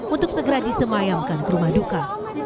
untuk segera disemayamkan ke rumah duka